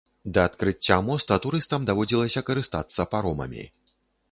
Да адкрыцця моста турыстам даводзілася карыстацца паромамі.